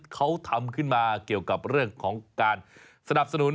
เขาทำขึ้นมาเกี่ยวกับเรื่องของการสนับสนุน